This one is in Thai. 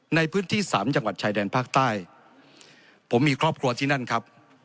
ในพื้นที่สามจังหวัดชายแดนภาคใต้ผมมีครอบครัวที่นั่นครับ